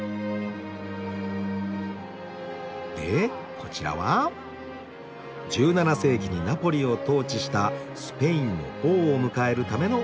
でこちらは「１７世紀にナポリを統治したスペインの王を迎えるための王宮。